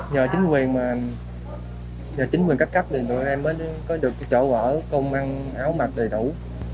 nhờ chính quyền mà nhờ chính quyền các cấp thì tụi em mới có được chỗ bỏ công ăn áo mặc đầy đủ